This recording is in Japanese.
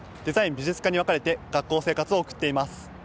美術科に分かれて学校生活を送っています。